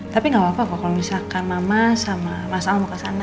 tapi gak apa apa kok kalau misalkan mama sama mas al mau ke sana